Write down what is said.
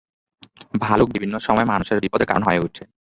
ভালুক বিভিন্ন সময়ে মানুষের বিপদের কারণ হয়ে ওঠে।